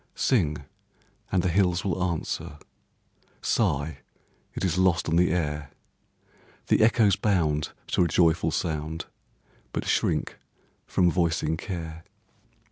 Sing, and the hills will answer; Sigh, it is lost on the air; The echoes bound to a joyful sound, But shrink from voicing care.